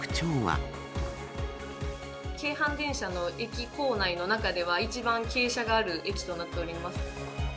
京阪電車の駅構内の中では、一番傾斜がある駅となっております。